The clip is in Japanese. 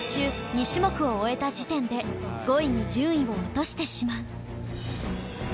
２種目を終えた時点で５位に順位を落としてしまう